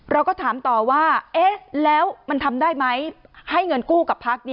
เราก็ถามต่อว่าเอ๊ะแล้วมันทำได้ไหมให้เงินกู้กับพัก